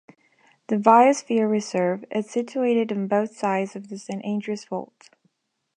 The biosphere reserve is situated on both sides of the San Andreas Fault.